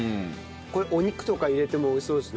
これお肉とか入れても美味しそうですね。